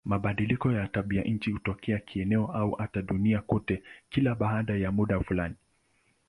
Mabadiliko ya tabianchi hutokea kieneo au hata duniani kote kila baada ya muda fulani.